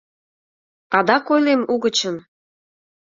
Адак ойлем угычын?..